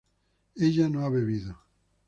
ella no ha bebido